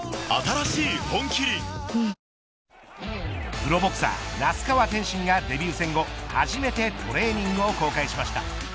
プロボクサー那須川天心がデビュー戦後初めてトレーニングを公開しました。